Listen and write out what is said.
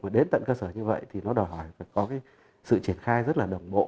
và đến tận cơ sở như vậy thì nó đòi hỏi phải có cái sự triển khai rất là đồng bộ